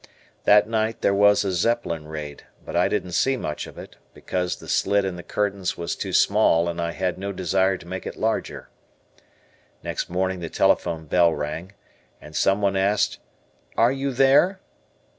That night there was a Zeppelin raid, but I didn't see much of it, because the slit in the curtains was too small and I had no desire to make it larger. Next morning the telephone bell rang, and someone asked, "Are you there?"